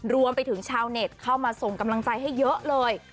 รวมไปถึงชาวเน็ตเข้ามาส่งกำลังใจให้เยอะเลย